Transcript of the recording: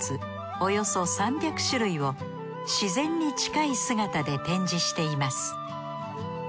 およそ３００種類を自然に近い姿で展示しています。